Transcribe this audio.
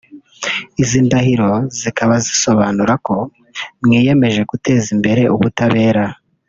“Izi ndahiro zikaba zisobanura ko mwiyemeje guteza imbere ubutabera